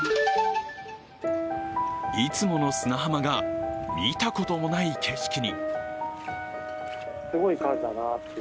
いつもの砂浜が見たこともない景色に。